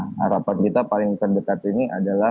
harapan kita paling terdekat ini adalah